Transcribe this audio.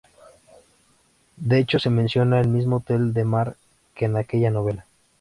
De hecho se menciona el mismo hotel Del Mar que en aquella novela.